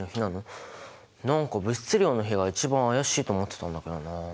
何か物質量の比が一番怪しいと思ってたんだけどなあ。